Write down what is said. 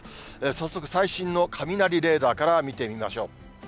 早速、最新の雷レーダーから見てみましょう。